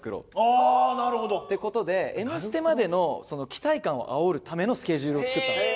ああなるほど！って事で『Ｍステ』までの期待感をあおるためのスケジュールを作ったんです。